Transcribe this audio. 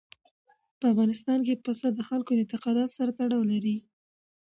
په افغانستان کې پسه د خلکو د اعتقاداتو سره تړاو لري.